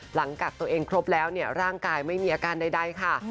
หลังกักตัวเองครบแล้วร่างกายไม่มีอาการใดค่ะ